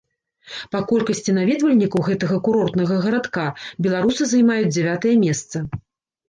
Па колькасці наведвальнікаў гэтага курортнага гарадка беларусы займаюць дзявятае месца.